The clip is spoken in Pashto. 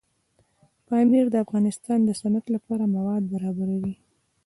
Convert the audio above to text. پامیر د افغانستان د صنعت لپاره مواد برابروي.